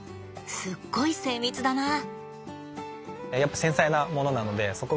すっごい精密だなあ。